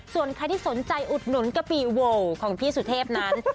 ส่วนใครที่สนใจอุดหนุนกะปิโวของพี่สุเทพนั้น